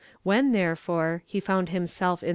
When, therefore, he found himself in S.